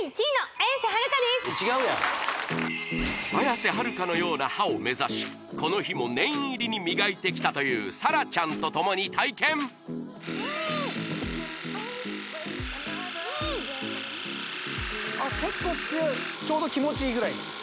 綾瀬はるかのような歯を目指しこの日も念入りに磨いてきたという沙羅ちゃんとともに体験うーんっあっ結構強いちょうど気持ちいいぐらいです